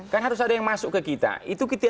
kan harus ada yang masuk ke kita itu kita